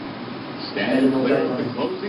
اَڄ موڪل ڪونهي۔